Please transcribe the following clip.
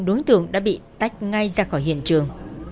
đối tượng đã bị tách ngay ra khỏi hiện trường